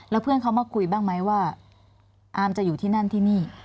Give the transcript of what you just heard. แล้วเพื่อนเขามาคุยบ้างไหมว่าอามจะอยู่ที่นั่นที่นี่